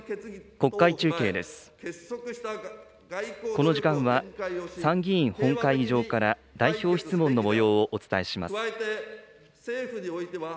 この時間は、参議院本会議場から代表質問のもようをお伝えします。